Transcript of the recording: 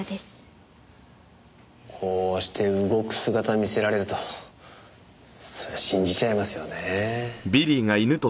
こうして動く姿見せられるとそりゃ信じちゃいますよね。